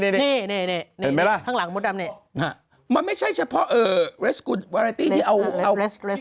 น่ะเหมือนไม่ใช่เฉพาะเอ๋อวาราตีที่เอาเอา